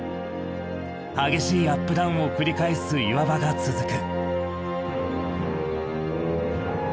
激しいアップダウンを繰り返す岩場が続く。